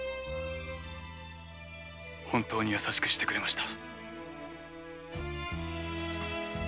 本当に優しくしてくれました。